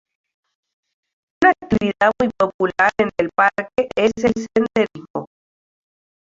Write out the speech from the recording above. Una actividad muy popular en el parque es el senderismo.